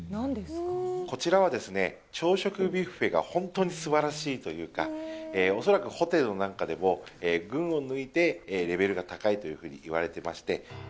こちらはですね、朝食ビュッフェが本当にすばらしいというか、恐らくホテルの中でも、群を抜いてレベルが高いというふうにいわれてまして。